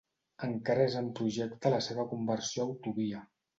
Encara és en projecte la seva conversió a autovia.